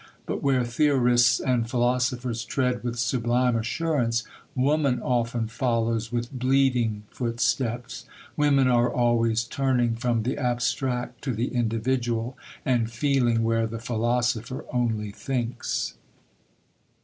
But where theorists and philosophers tread with sublime assurance, woman often follows with bleeding footsteps;—women are always turning from the abstract to the individual, and feeling where the philosopher only thinks.